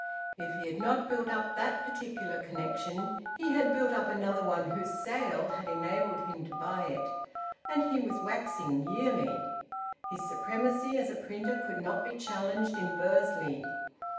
If he had not built up that particular connexion he had built up another one whose sale had enabled him to buy it. And he was waxing yearly. His supremacy as a printer could not be challenged in Bursley.